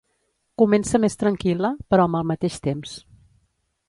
Comença més tranquil·la, però amb el mateix temps.